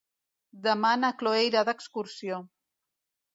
Demà na Chloé irà d'excursió.